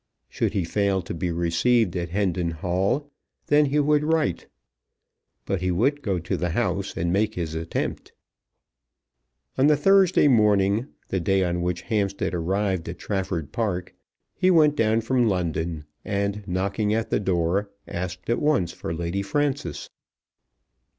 Should he fail to be received at Hendon Hall then he would write. But he would go to the house and make his attempt. On Thursday morning, the day on which Hampstead arrived at Trafford Park, he went down from London, and knocking at the door asked at once for Lady Frances.